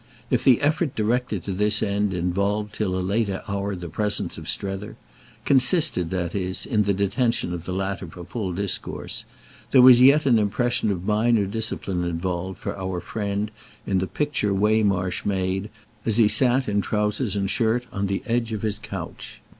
If the effort directed to this end involved till a late hour the presence of Strether—consisted, that is, in the detention of the latter for full discourse—there was yet an impression of minor discipline involved for our friend in the picture Waymarsh made as he sat in trousers and shirt on the edge of his couch.